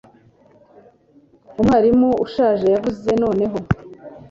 umwarimu ushaje yavuze noneho